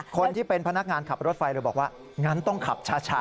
คนที่เป็นพนักงานขับรถไฟเลยบอกว่างั้นต้องขับช้า